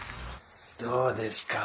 どうですか？